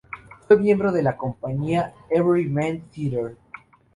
Fue miembro de la compañía Everyman Theatre.